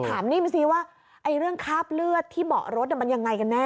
นิ่มซิว่าเรื่องคราบเลือดที่เบาะรถมันยังไงกันแน่